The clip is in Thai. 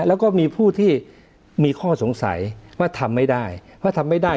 แล้วก็มีผู้ที่มีข้อสงสัยว่าทำไม่ได้